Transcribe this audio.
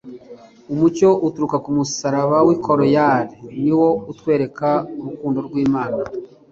Umucyo uturuka ku musaraba w'i Kaluyari ni wo utwereka urukundo rw'Imana.